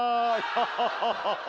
ハハハハハ。